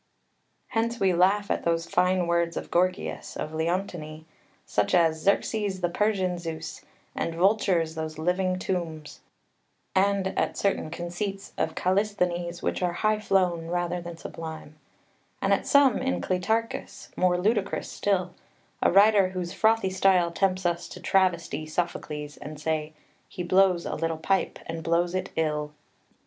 ] 2 Hence we laugh at those fine words of Gorgias of Leontini, such as "Xerxes the Persian Zeus" and "vultures, those living tombs," and at certain conceits of Callisthenes which are high flown rather than sublime, and at some in Cleitarchus more ludicrous still a writer whose frothy style tempts us to travesty Sophocles and say, "He blows a little pipe, and blows it ill."